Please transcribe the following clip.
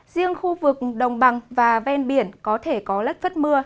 riêng khu vực đồng bằng và ven biển có thể có lất phất mưa